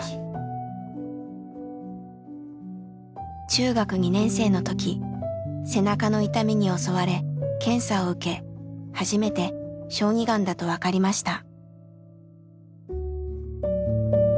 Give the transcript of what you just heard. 中学２年生の時背中の痛みに襲われ検査を受け初めて小児がんだと分かりました。